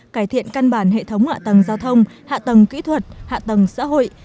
cải thiện căn bản hệ thống hạ tầng giao thông hạ tầng kỹ thuật hạ tầng xã hội